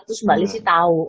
terus mba lizzy tau